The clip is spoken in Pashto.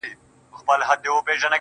د مقدسي فلسفې د پيلولو په نيت~